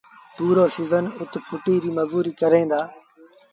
پورو سيٚزن اُت ڦُٽيٚ ريٚ مزوريٚ ڪريݩ دآ.